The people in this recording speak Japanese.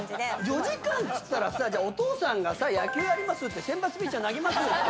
４時間っつったらさお父さんがさ野球やりますって先発ピッチャー投げますって。